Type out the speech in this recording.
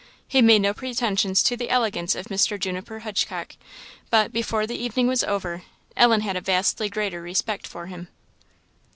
He made no pretensions to the elegance of Mr. Juniper Hitchcock; but, before the evening was over, Ellen had a vastly greater respect for him.